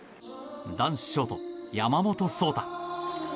男子ショート、山本草太。